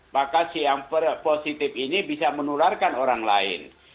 maka si yang positif ini bisa menularkan orang lain